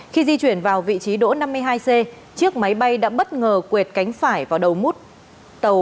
khi di chuyển vào vị trí đỗ năm mươi hai c chiếc máy bay đã bất ngờ quệt cánh phải vào đầu mút cánh tàu bay